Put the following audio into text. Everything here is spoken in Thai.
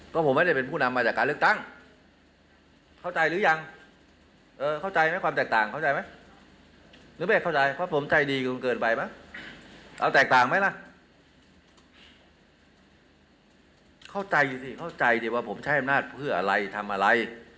เข้าใจสิเข้าใจสิว่าผมใช้อำนาจเพื่ออะไรทำอะไร